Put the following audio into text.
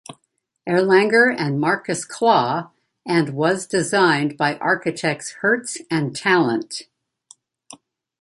Erlanger and Marcus Klaw, and was designed by architects Herts and Tallant.